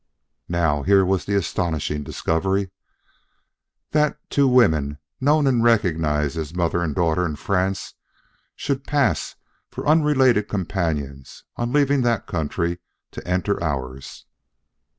Now here was an astonishing discovery! That two women known and recognized as mother and daughter in France should pass for unrelated companions on leaving that country to enter ours.